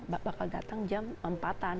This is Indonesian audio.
dia akan datang jam empatan